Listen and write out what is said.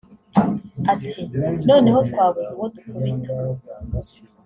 Ati ” Noneho twabuze uwo dukubita